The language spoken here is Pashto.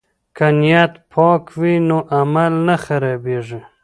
که نیت پاک وي نو عمل نه خرابیږي.